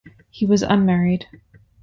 He was unmarried.